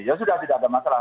ya sudah tidak ada masalah